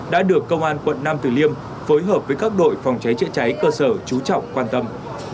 đã được công an quận nam tử liêm phối hợp với các đội phòng cháy chữa cháy cơ sở trú trọng quan tâm